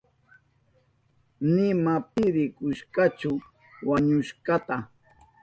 Nima pi rikushkachu wañushkanta.